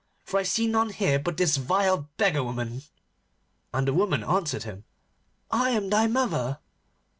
For I see none here but this vile beggar woman.' And the woman answered him, 'I am thy mother.